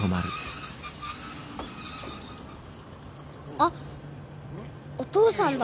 あっお父さんだ。